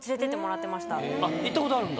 あっ行ったことあるんだ。